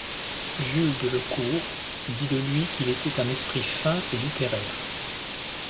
Jules De Le Court dit de lui qu'il était un esprit fin et littéraire.